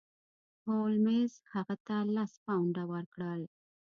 هولمز هغه ته لس پونډه ورکړل.